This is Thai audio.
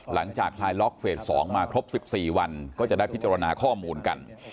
คลายล็อกเฟส๒มาครบ๑๔วันก็จะได้พิจารณาข้อมูลกัน